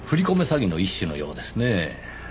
詐欺の一種のようですねぇ。